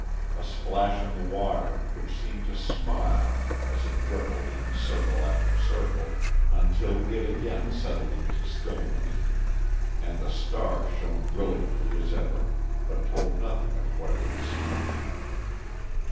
A splash in the water, which seemed to smile, as it rippled in circle after circle, until it again settled into stillness; and the star shone brilliantly as ever, but told nothing of what it had seen.